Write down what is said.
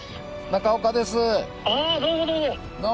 中岡です。